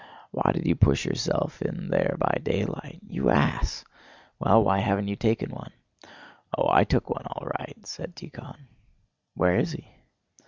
"Why did you push yourself in there by daylight? You ass! Well, why haven't you taken one?" "Oh, I took one all right," said Tíkhon. "Where is he?"